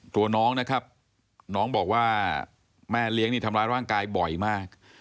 ตัวน้องนะครับน้องบอกว่าแม่เลี้ยงนี่ทำร้ายร่างกายบ่อยมาก